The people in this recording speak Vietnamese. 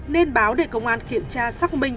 nên báo để công an kiểm tra xác minh